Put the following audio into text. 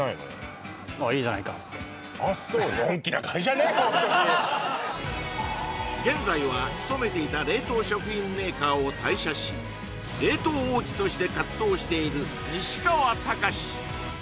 あっそう現在は勤めていた冷凍食品メーカーを退社し冷凍王子として活動している西川剛史